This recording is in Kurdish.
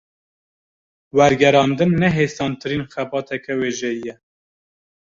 Wergerandin, ne hêsantirîn xebateke wêjeyî ye